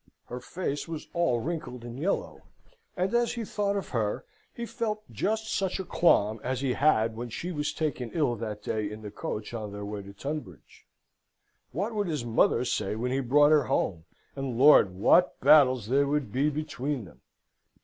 her face was all wrinkled and yellow, and as he thought of her he felt just such a qualm as he had when she was taken ill that day in the coach on their road to Tunbridge. What would his mother say when he brought her home, and, Lord, what battles there would be between them!